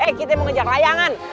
hei kita mau mengejar layangan